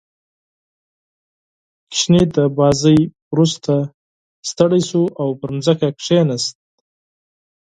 • ماشوم د لوبو وروسته ستړی شو او پر ځمکه کښېناست.